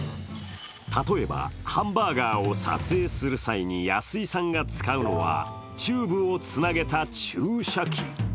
例えばハンバーガーを撮影する際に安井さんが使うのはチューブをつなげた注射器。